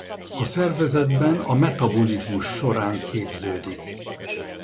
A szervezetben a metabolizmus során képződik.